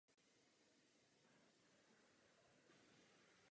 Nemusí již být rozumné dávat možnost přeškolení starším horníkům.